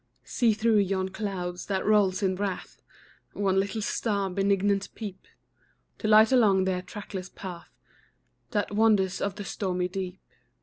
See through yon cloud that rolls in wrath, One little star benignant peep, To light along their trackless path The wanderers of the stormy deep.